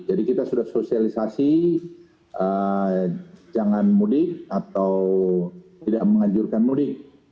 jadi kita sudah sosialisasi jangan mudik atau tidak mengajurkan mudik